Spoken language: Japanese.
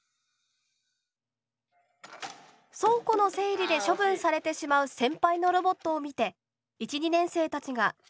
倉庫の整理で処分されてしまう先輩のロボットを見て１・２年生たちがいちから作りました。